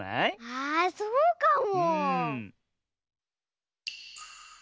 あそうかも！